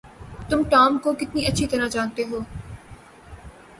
تم ٹام کو کتنی اچھی طرح جانتے ہو؟